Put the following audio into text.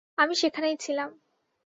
আমি সেখানেই ছিলাম।